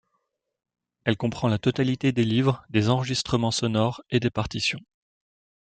Elle comprend la totalité des livres, des enregistrements sonores et des partitions.